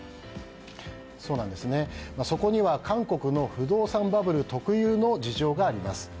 そこには韓国の不動産バブル特有の事情があります。